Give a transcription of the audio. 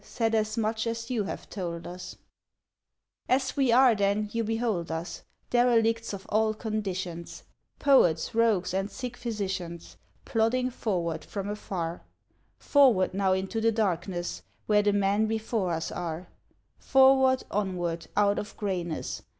Said as much as you have told us. Eisi "As we are, then, you behold us: Derelicts of all conditions, Poets, rogues, and sick physicians, Plodding forward from afar; Forward now into the darkness Where the men before us are; Forward, onward, out of grayness.